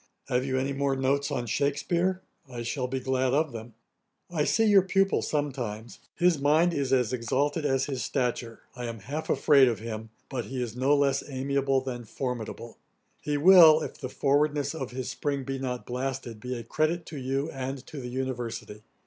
Have you any more notes on Shakspeare? I shall be glad of them. 'I see your pupil sometimes: his mind is as exalted as his stature. I am half afraid of him; but he is no less amiable than formidable. He will, if the forwardness of his spring be not blasted, be a credit to you, and to the University.